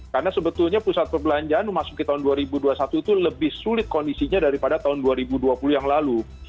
karena sebetulnya pusat perbelanjaan memasuki tahun dua ribu dua puluh satu itu lebih sulit kondisinya daripada tahun dua ribu dua puluh yang lalu